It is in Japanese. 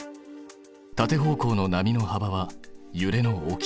縦方向の波のはばはゆれの大きさ。